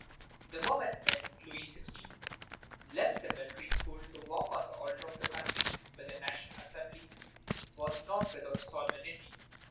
The moment when Louis XVI. left the Military School to walk to the Altar of the Country with the National Assembly was not without solemnity.